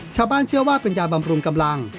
ชาวบ้านเชื่อว่าเป็นยาบำรุงกำลัง